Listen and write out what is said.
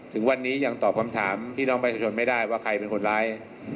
ถึงวันนี้ยังตอบคำถามพี่น้องประชาชนไม่ได้ว่าใครเป็นคนร้าย